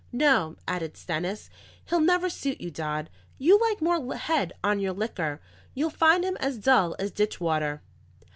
No," added Stennis, "he'll never suit you, Dodd; you like more head on your liquor. You'll find him as dull as ditch water."